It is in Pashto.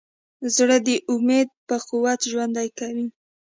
زړه د امید په قوت ژوند کوي.